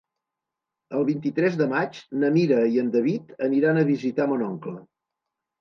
El vint-i-tres de maig na Mira i en David aniran a visitar mon oncle.